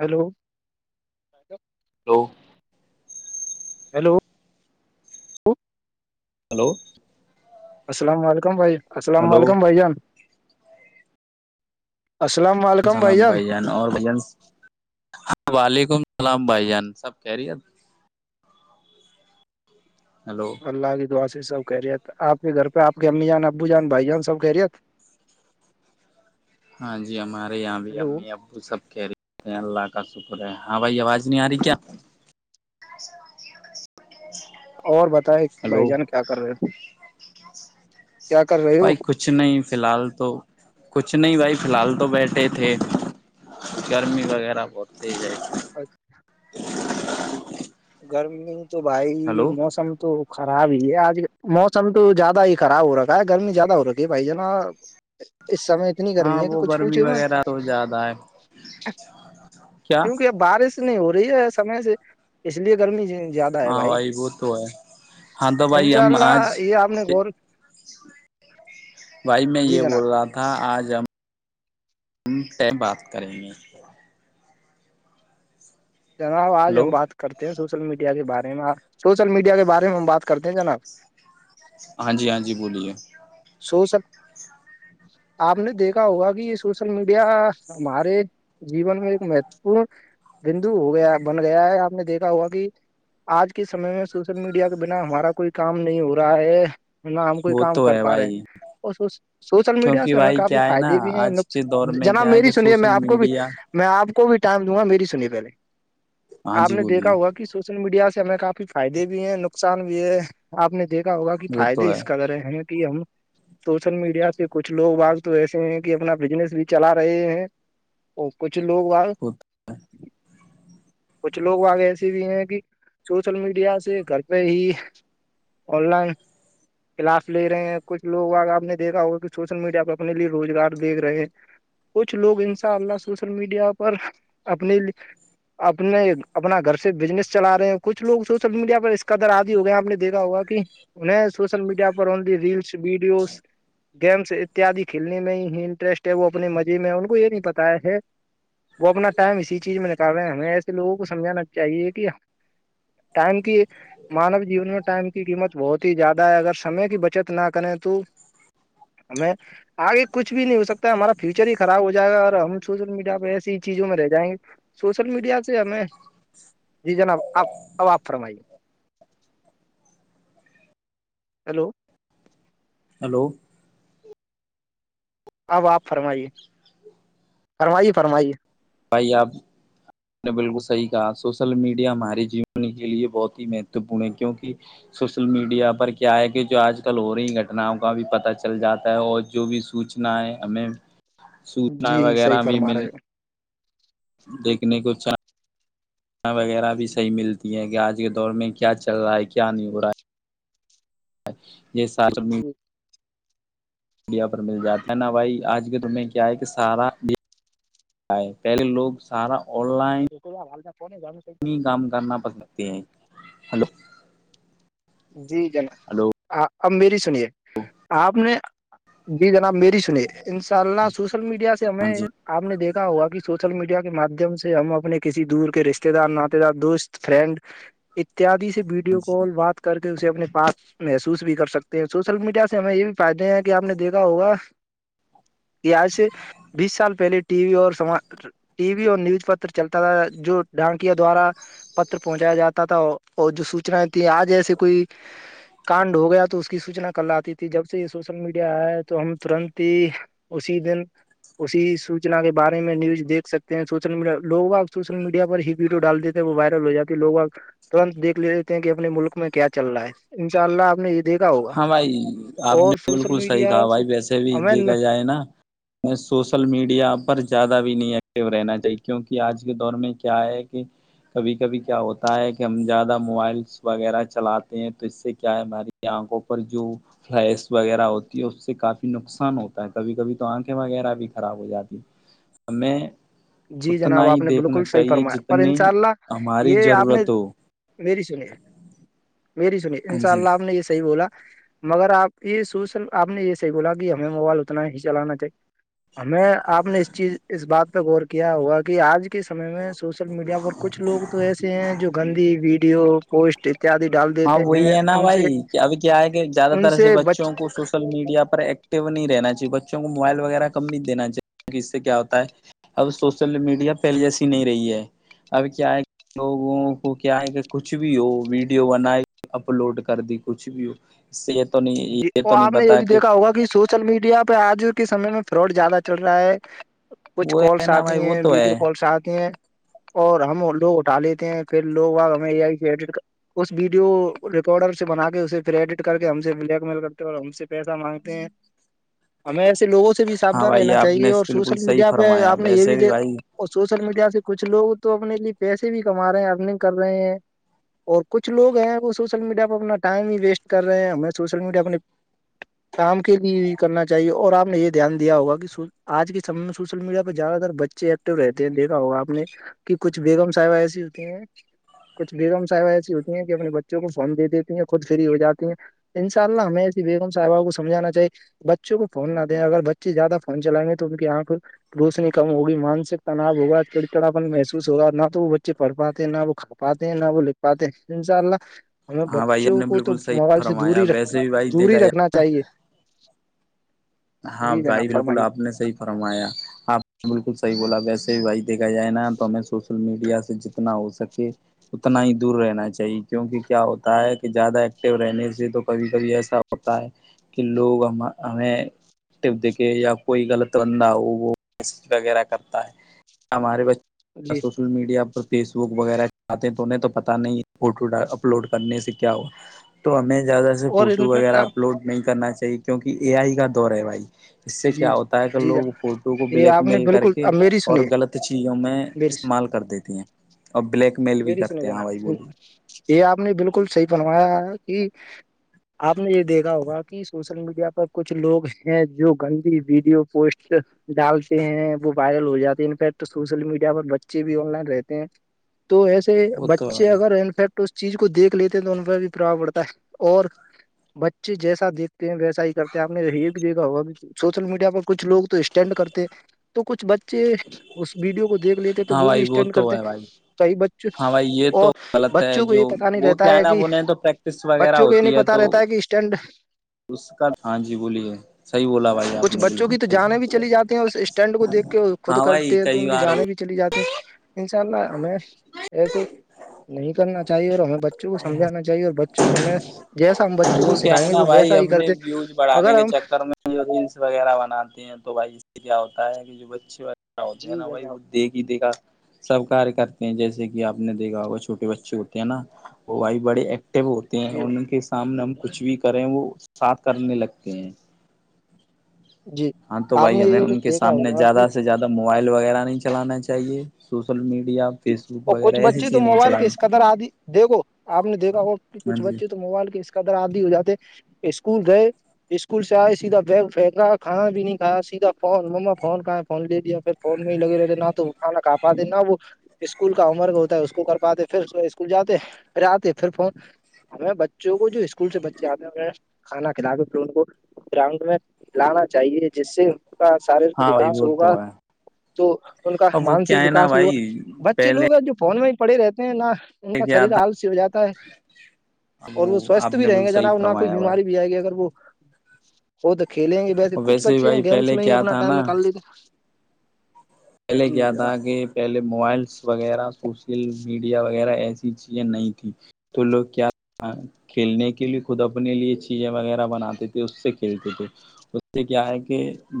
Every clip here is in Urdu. ہیلو ہلو ہیلو ہلو السلام علیکم بھائی السلام ہلو علیکم بھائ جان اسسلام وعلیکم السلام بھائی جان اور بھائی جان وعلیکم السلام بھائی جان سب خیریت ہیلو اللہ کی دعاء سے سب خیریت آپ کے گھر پہ آپ امی جان ابو جان بھائی جان سب خیریت [inaudible] ہاں جی ہمارے یہاں بھی ہیلو امی ابو وہ سب خیریت ہیں اللہ کا شکر ہے ہاں بھائی آواز نہیں آ رہی کیا اور بتائے ہلو بھائی جان کیا کر رہے ہو کیا کر رہے ہو بھائی کچھ نہیں فی الحال تو کچھ کچھ نہیں بھائی فی الحال تو بیٹھے تھے گرمی وغیرہ بہت تز ہے اچھا گرمی تو بھائی ہلو موسم تو خراب ہی ہے آج موسم تو زیادہ ہی خراب ہو رہا ہے گرمی زیادہ ہو رہکی ہے بھائی جان ن اس سمے اتنی ہاں گرمی ہے کہ وہ کچھ گرمی پوچھو مت وغیرہ تو زیادہ ہے کیا کیونکہ بارش نہیں ہو رہی ہے سمے سے اس لیے گرمی زیادہ ہاں اےبھائی بھائی وہ تو ہے ہاں تو بھائی انشاء ہم اللہ آج یہ آپ نےا ور بھائی میں جی یہ جناب بول رہا تھا آج ہم بات کریں گے جناب آج ہلو ہم بات کرتے ہیں سوشل میڈیا کے بارے میں سوشل میڈیا کے بارے میں ہم بات کرتے ہیں جناب ہاں جی ہاں جی بولیے سوشل آپ نے دیکھا ہوگا کہ یہ سوشل میڈیا ہمارے جیون میں ایک مہتوپورن بندو ہو گیا بن گیا ہے آپ نے دیکھا ہوا کہ آج کے سمے میں سوشل میڈیا کے بنا ہمارا کوئی کام نہیں ہو رہا ہے نہ ہم کوئی وہ کام تو کر ہے پا رہے بھائی ہیں اور سوشل میڈیا کیونکہ سے ہمیں بھائی کافی کیا ہے نا فائدے بھی ہیں آج کے دور نقصان میں جناب کیا ہے میری کہ سنیے میں سوشل آپ کو بھی میڈیا میں آپ کو بھی ٹائم دوں گا میری سنی پہلے ہاں آپ جی نے بولیے دیکھا ہوا کہ سو سوشل میڈیا سے ہمیں کافی فائدے بھی ہیں نقصان بھی ہے آپ نے دیکھا ہوگا کہ وہ تو فائدے ہے اس کرے ہیں کہ ہم سوشل میڈیا سے کچھ لوگ آج تو ایسے ہیں کہ اپنا بزنس بھی چلا رہے ہیں وہ کچھ لوگ آ کچھ لوگ آگ ایسے بھی ہیں کہ سوشل میڈیا سے گھر پہ ہی آن لائن کلاس لے رہے ہیں کچھ لوگ آگ آپ نے دیکھا ہوگا کہ سوشل میڈیا پر اپنے لیے روزگار دیک رہے ہیں کچھ لوگ ان شاء اللہ سوشل میڈیا پر اپنے اپنے اپنا گھر سے بزنس چلا رہے ہیں کچھ لوگ سوشل میڈیا پر اس کا در بھی ہو گئے آ نے دیکھا ہوگا کہ انہیں سوشل میڈیا پر اونلی ریلس ویڈیوز گیمس اتیاد کھیلنے میں ہی انٹرسٹ ہے وہ اپنے مزے میں ان کو یہ نہیں پتا ہے وہ اپنا ٹائم اسی چیز میں نکال رہے ہیں ہمیں ایسے لوگوں کو سمجھانا چاہیے کہ ٹائم کی مانو جیون میں ٹائم کی قیمت بہت ہی زیادہ ہے اگر سے کی بچت نہ کریں تو ہمیں آگے کچھ بھی نہیں ہو سکتا ہے ہمارا فیوچر ہی خراب ہو جائے گا اور ہم سوشل میڈیا پہ ایسی ہی چیزوں میں رہ جائیں گے سوشل میڈیا سے ہمیں جی جناب آپ اب آپ فرمائیے ہیلو ہیلو اب آپ فرمائیے فرمائیے فرمائیے بھائی آپ نے بالکل صحی کہا سوشل میڈیا ہمارے جیون کے لیے بہت ہی مہتوپورن ہے کیوںکہ سوشل میڈیا پر کیا ہے کہ جو آج کل ہو رہی گٹناؤں کا بھی پتا چل جاتا ہے اور جو بھی سوچنائیں ہمیں سوچنا جی صحیح وغیرہ بھی فرما مل رہے ہو دیکھنے کو چاہ وغیرہ بھی صح ملتی ہے کہ آج کے دور میں کیا چل رہا ہے کیا نہیں ہو رہا ہے یہ سچمی جی مڈیا پر مل جاتا ہے نا بھائی آج کے دن میں کیا ہے کہ سارا پہلے لوگ سارا آن لائن تو حالنا پاننے کام کرنا پس سکتے ہیں ہلو جی ہلو جناب اب میری سنیے آپ نے جی جناب میری سنی ان شاء اللہ ہاں سوشل میڈیا سے ہمیں جی آپ نے دیکھا ہوا کہ سوشل میڈیا کے مادھیم سے ہم اپنے کسی دور کے رشتے دار ناات دار دوست فرینڈ اتیادی سے ہاں ویڈیو جی کال بات کر کے اسے اپنے پاس محسوس بھی کر سکتے ہیں سوشل میڈیا سے ہمیں یہ بھی فائدے ہیں کہ آپ نے دیکھا ہوگا یہ آج سے بیس سال پہلے ٹی وی اور س ٹی وی اور نیوز پتر چلتا تھا جو ڈھانکیا دوارا پت پہنچایا جاتا تھا اور جو سوچنایں تھیں آج ایسے کوئی کاانڈ ہو گیا تو اس کی سوچنا کر لاتی تھی جب سے یہ سوشل میڈیا آ ہے تو ہم ترنت ہی اسی دن اسی سوچنا کے بارے میں نیوز دیک سکتے ہیں سوشل میڈیا لوگ اب سوشل میڈیا پر ہی ویڈیو ڈال دیتے وہ وائرل ہو جاتی لوگ ترنت دھ لیتے ہیں کہ اپنے ملک میں کیا چل رہا ہے ان شاء اللہ آپ نے یہ دیکھا ہوگا ہاں بھائی آپ اور نے سوشل بالکل صحیح میڈیا کہا سے بھائی ویسے بھی ہمیں دیکھا جائے نا سوشل میڈیا پر زیادہ بھی نہیں ایکٹیو رہنا چاہیے کیونکہ آج کے دور میں کیا ہے کہ کبھی کبھی کیا ہوتا ہے کہ ہم زیادہ موبائلس وغیرہ چلاتے ہیں تو اس سے کیا ہے ہماری آنکھوں پر جو فلس وغیرہ ہوتی ہے اس سے کافی نقصان ہوتا ہے کبھی کبھی تو آنکھیں وغیرہ بھی خراب ہو جاتی میں جی جناب آپ نے بالکل صحیح فرمایا پر جتنی انشاء اللہ ہماری یہ آپ نے ضرورت ہو ویری سنیے ویری سنیے ان ہاں شاء جی اللہ آپ نے یہ صحیح بولا مگر آپ یہ سوچ آپ نے یہ صحی بولا کہ ہمیں موبائل اتنا ہی چلانا چاہ ہمیں آپ نے اس چیز اس بات پہ غور کیا ہوا کہ آج کے سمے میں سوشل میڈیا پر کچھ لوگ تو ایسے ہیں جو گندی ویڈیو پوسٹ اتیادی ڈال ہاں دیتے وہی ہیں ہے نا ان سے بھائی کہ ابھی کیا ہے کہ زیادہ ان تر سے بچ بچوں کو سوشل میڈیا پر ایک نہیں رہنا چاہیے بچوں کو موبائل وغیرہ کم نہیں دینا چاہی کی اس سے کیا ہوتا ہے اب سوشل میڈیا پہلے جیسی نہیں رہی ہے ابھی کیا ہے لوگوں کو کیا ہے کہ کچھ بھی ہو بنا اپلوڈ کر دی کچھ بھی اس یہ تو نہیں جی یہ تو اور نہیں آپ نے یہ بتا بھی کہ دیکھا ہوگا کہ سوع سوشل میڈیا پہ آج کے سمے میں فراڈ زیادہ چل رہا ہے کچھ وہ ہے کالس نا آتی بھائی وہ ہیں تو ہے ویڈیو کالس آتی ہیں اور ہم لوگ اٹھا لیتے ہیں پھر لوگ ہم اس ویڈیو ریکارڈر سے بنا کے اسے پھر ایڈٹ کر کے ہم سے بلیک مل کرتے اور ہم سے پیسہ مانگتے ہیں ہمیں ایسے لوگوں سے بھی ہاں سابدان بھائی رہنا آپ چاہیے نے اور بالکل سوشل صحیح میڈیا پہ فرمایا آپ نے یہ بھی ویسے دیک بھائی اور سوشل میڈیا سے کچھ لوگ تو اپنے لیے پیسے بھی کما رہے ہیں ارننگ کر رہے ہیں اور کچھ لوگ ہیں وہ سوشل میڈیا پ اپنا ٹائم بھی ویسٹ کر رہے ہیں ہمیں سوشل میڈیا اپنے کام کے لیے بھی کرنا چاہیے اور آپ نے یہ دھیان دیا ہوگا کہ آج کے سمے میں سوشل میڈیا پہ زیادہ تر بچے ایکٹو رہتے ہیں دیکھا ہوگا آپ نے کہ کچھ بیگم صاحب ایس ہوتے ہیں کچھ بیگم صاحبیں ایسی ہوتی ہیں کہ اپنے بچوں کو فون دے دیتی ہیں خود فری ہو جاتی ہیں انشاء اللہ ہمیںسی بیگم صاحب کومجھانا چاہے بچوں کو فون نہ دیں اگر بچے زیادہ فون چلائیں گے تو یہاں روشنی کم ہوگی مانسک تناؤ ہوگا چڑچڑاپن محسوس ہوگا نہ تو وہ بچے پڑھ پاتے ہیں نہ وہ پاتے ہیں نہ وہ لکھ پاتے ہیں ان شاء اللہ ہمیں ہاں بھائی آپ بچوں نے کو تو بالکل صحیح موبائل دور فرمایا ہیکھ ویسے بھی بھائی دوری دیکھا جائے رکھنا چاہیے ہاں جی بھائی جناب بالکل فرمائیے آپ نے صحیح فرمایا آپ نے بالکل صحیح بولا ویسے بھی بھائی دیکھا جائے نا تو ہمیں سوشل میڈیا سے جتنا ہو سکے اتنا ہی دور رہنا چاہیے کیونکہ کیا ہوتا ہے کہ زیادہ ایکٹو رہنے سے تو کبھی کبھی ایسا ہوتا ہے کہ لوگ ہم ہمیں دیکھے یا کوئی غلط بندہ ہو وہ وغیرہ کرتا ہے ہمارے بچے جی سوشل میڈیا فیس بک وغیرہ چاتے ہیں تو انہیں تو پتا نہیں فوٹو اپلوڈ کرنے سے کیا ہو تو ہمیں زیادہ سے اور فوٹو انفیکٹ وغیرہ آپ اپلوڈ نہیں کرنا چاہیے کیونکہ اے آئی کا دور ہے بھائی اس سے جی کیا جی ہوتا ہے کہ جی لوگ جناب فوٹو کو یہ بلیک آپ نے میل کر بالکل کے اب میری اور سنیے غلط چیزوں میں میری استعمال کر دیتے اور بلیک میل بھی میری سنیے کرتے ہیں ہاں بھائی جناب بولو یہ آپ نے بالکل صحیح بنوایا ہے کہ آپ نے یہ دیکھا ہوگا کہ سوشل میڈیا پر کچھ لوگ ہیں جو گندی ویڈیو پوسٹ ڈالتے ہیں وہ وائرل ہو جاتے انفیکٹ سوشل میڈیا پر بچے بھی آن لائن رہتے ہیں تو ایسے وہ تو ہے بچے بھائی اگر انفیکٹ تو اس چیز کو دیکھ لیتے ہیں تو ان پ بھی پرھاب پڑتا ہے اور بچے جیسا دیکھتے ہیں ویسا ہی کرتے ہیں آپ نے یہ بھی گا وہ بھی سوشل میڈیا پر کچھ لوگ تو اسٹینڈ کرتے تو کچھ بچے اس ویڈیو کو دیکھ لیتے تو ہاں وہ بھی بھائی اسٹینڈ تو کرتے ہے بھائی توی بچوں ہاں بھائی یہ تو اور غلط ہے بچوں کو یہ جو پتا نہیں وہ رہتا کیا ہے نا کہ انہیں تو پریکٹس وغیرہ بچوں کو یہ نہیں ہوتی پتا تو رہتا ہے کہ اسٹینڈ اس کا ہاں جی بولیے صحیح بولا بھائی آپ کچھ نے بچوں بالکل کی تو جانے صحیح بھی چلی جاتے ہیں اس اسٹینڈ کو دیکھ کے خود ہاں بھائی کرتے ہیں تو کئی ان کی بار جانے بھی چلی جاتی ان شاء اللہ ہمیں ایسے نہیں کرنا چاہیے اور ہمیں بچے بچوں کو سمجھانا چاہیے اور بچوں کو ہمیں جیسا ہم بچوں کو سکھائیںے وہ ویسا ہی کرتے کچ بڑھانے اگر کے ہم چکر میں ریلس وغیرہ بناتے ہیں تو بھائی اس سے کیا ہوتا ہے کہ جو بچے کیا ہو ہے جی نا بھائی جناب وہ دیکھ ہی دیکھا سب ک کرتے ہیں جیسے کہ آپ نے دیکھا ہوا چھوٹے بچے ہوتے ہیں نا وہ بائی بڑے اے ہوتے ہیں جی اور ان کے سامنے ہم کچھ بھی کریں وہ سات کرنے لگتے ہیں جی ہاں تو آپ بھائی نے ہمیں یہ ان کے دیکھا سامنے ہوگا کہ زیادہ سے زیادہ مطلب موبائل وغیرہ نہیں چلانا چاہیے سوشل میڈیا فیس بک اور وغیرہ کچھ ایسی بچی تو چیزیں نہیں موبائل کی چلانی اس قدر آدی دیکھو آپ نے دیکھا ہو کہ ہاں کچھ جی بچے تو موبائل کے اس قدر آادی ہو جاتے اسکول گئے اسکول سے آئے سیدھا بیگ پھیکا کھا بھی نہیں کایا سیدھا فون مما فون ک فون لے دیا پھر فون میں ہی لگے رہتے نہ تو کانا ک آاپات نہ وہ اسکول کا عمرگ ہوتا ہے اس کو کر پاتے پھر اسکول جاتے پھر آتے پھر فون ہمیں بچوں کو جو اسکول سے بچے آتے ہیں کھانا کھلا کے پھر ان کو گراؤنڈ میں کلانا چاہیے جس سے کا شارییرک ہاں بھائی وکاس وہ ہوگا تو ہے تو ان کا اور وہ کیا مانسک ہے نا وکاس بھی ہوا بھائی بچے پہلے لوگ ہیں جو فون میں ہی پڑھے رہتے ہیں نہ ان کا کیا شریر تھا آال س ہو جاتا ہے اب اور وہ آپ سوستھ بھی نے رہیں بالکل گے صحیح جنا نہ کوئی فرمایا بھائی بیماری بھی آئے گی اگر وہ وہ تو کھیلیں گے ویسے اور کچھ بھی بچے ہیں بھائی گیمس پہلے میں ہی کیا اپنا تھا ٹائم نا نکال لیتے ہیں۔ پہلے جی کیا تھا جناب کہ پہلے موبائلس وغیرہ سوشل میڈیا وغیرہ ایسی چیزیں نہیں تیں تو لوگ کیا کھیلنے کے لیے خود اپنے لیے چیزیں وغیرہ بناتے تھے اس سے کھیلتے تھے اس سے کیا ہے کہ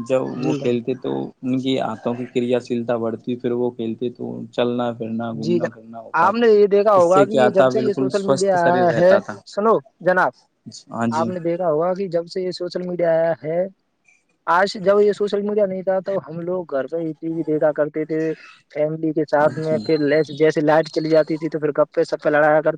جب وہ جی جناب کھیلتے تو ان کی آنتوں کی کریا شیلتا بڑھتی پھر وہ کھیلتے تو تو چلنا پھرنا جی گھومنا جناب پھرنا ہوتا آپ نے یہ دیکھا اس ہوگا سے کہ کیا یہ تھا جب سے یہ بالکل سوشل سوستھ میڈیا شریر آیا ہے رہتا تھا سنو جناب ہاں آپ جی نے دیکھا ہوگا کہ جب سے یہ سوشل میڈیا آیا ہے آج جب یہ سوشل میڈیا نہیں تھا توب ہم لوگ گھر پہ ہی ٹی وی دیکھا کرتے تھے فیملی کے ہاں ساتھ میں جی پھر ل جیسے لائٹ چلی جاتی تھی تو پھر گپے سپے لڑایا کر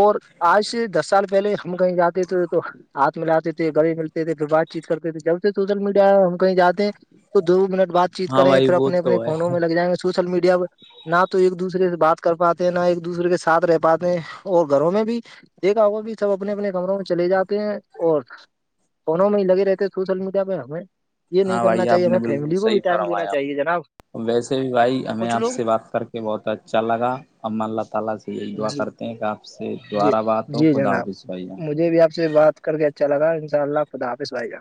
اور آج سے دس سال پہلے ہم کہیں جاتے تھے تو ہاتھ م لاتے تھے گڑے ملتے تھے پھر بات چیت کرتے تھے جب سے سوشل میڈیا ہم کہیں جاتے ہیں تو دو منٹ بات چیت ہاں کریں گ بھائی پھر وہ اپنے اپنے تو ہے فونوں میں لگ جائیں گے سوشل میڈیا پر نہ تو ایک دوسرے سے بات کر پاتے ہیں نہ ایک دوسرے کے ساتھ رہ پاتے ہیں اور گھروں میں بھی دیکھا وہ بھی سب اپنے اپنے کمروں میں چلے جاتے ہیں اور فونوں میں ہی لگے رہتےے سوشل میڈیا پہ ہمیں یہ نہیں ہاں بھائی کرنا آپ چاہیے نے ہمیں بالکل فیملی کو بھی صحیح ٹائم دینا فرمایا چاہیے جناب ویسے بھی بھائی ہمیں کچھ آپ لوگ سے بات کر کے یہ بہت اچھا لگا اللہ تعالی کی دعا جی کرتے ہیں جی جی جناب اللہ مجھے بھی آپ سے بات کر کے اچھا لگا ان شاء اللہ خدافظ بھ گ کا